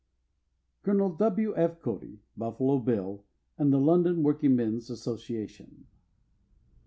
COL. W. F. CODY (BUFFALO BILL) AND THE LONDON WORKINGMEN'S ASSOCIATION.